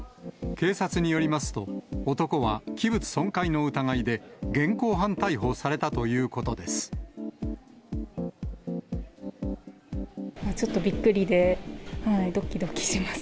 警察によりますと、男は器物損壊の疑いで、現行犯逮捕されたということです。